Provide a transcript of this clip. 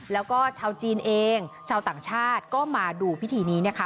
แล้วก็ชาวจีนเองชาวต่างชาติก็มาดูพิธีนี้นะคะ